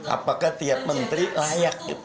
apakah tiap menteri layak